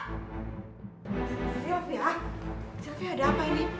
sylvia sylvia ada apa ini